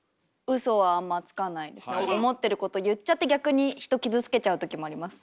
ウソはあんまつかないけど思ってること言っちゃって逆に人傷つけちゃう時もあります。